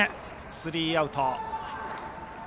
スリーアウト。